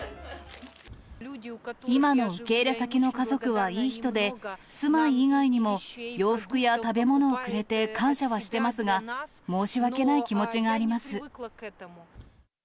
今の受け入れ先の家族はいい人で、住まい以外にも洋服や食べ物をくれて感謝はしてますが、申し訳ない気持ちがあります。